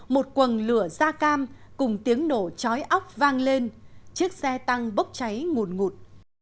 một quần lửa da cam cùng tiếng nổ chói óc vang lên chiếc xe tăng bốc cháy ngụt ngụt